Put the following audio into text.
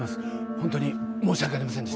ホントに申し訳ありませんでした